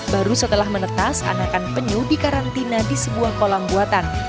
baru setelah menetas anakan penyu dikarantina di sebuah kolam buatan